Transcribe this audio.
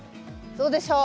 どうでしょう？